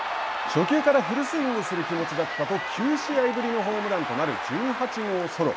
初球からフルスイングする気持ちだったと９試合ぶりのホームランとなる１８号ソロ。